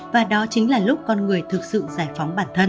và đó chính là lúc con người thực sự giải phóng bản thân